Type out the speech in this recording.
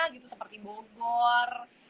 gitu seperti bogor